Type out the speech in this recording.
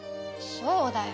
そうだよ。